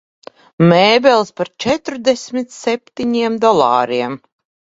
Mēbeles par četrdesmit septiņiem dolāriem.